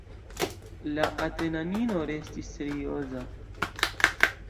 La atenanino restis serioza.